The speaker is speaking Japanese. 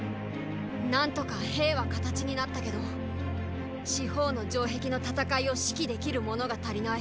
なんとか兵は形になったけど四方の城壁の戦いを指揮できる者が足りない。